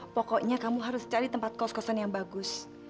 pokoknya kamu harus cari tempat kos kosan yang bagus